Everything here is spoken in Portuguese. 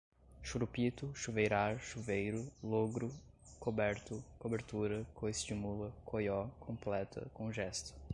churupito, chuveirar, chuveiro, lôgro, coberto, cobertura, coice de mula, coió, completa, conjesta